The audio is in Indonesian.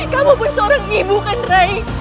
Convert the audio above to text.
kamu pun seorang ibu kan rai